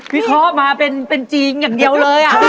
พี่ทอมาเป็นจีนอย่างเดียวเลย